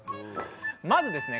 まずですね